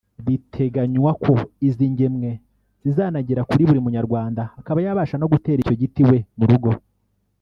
Biteganywa ko izi ngemwe zizanagera kuri buri munyarwanda akaba yabasha no gutera icyo giti iwe mu rugo